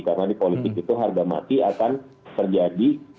karena di politik itu harga mati akan terjadi